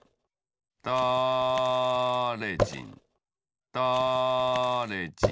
だれじんだれじん